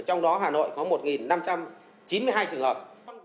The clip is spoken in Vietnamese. trong đó hà nội có một năm trăm chín mươi hai trường hợp